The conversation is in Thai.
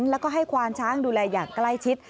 แล้วก็ให้ควานช้างดูแลอย่างใกล้ชิด